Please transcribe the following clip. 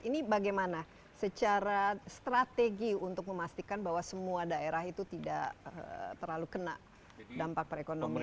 ini bagaimana secara strategi untuk memastikan bahwa semua daerah itu tidak terlalu kena dampak perekonomian